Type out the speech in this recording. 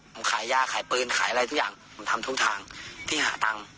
ผมขายยากขายปืนขายอะไรทุกอย่างผมทำทุกทางพี่หาตังค์